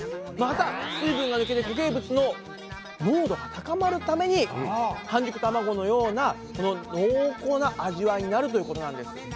また水分が抜けて固形物の濃度が高まるために半熟卵のようなこの濃厚な味わいになるということなんです。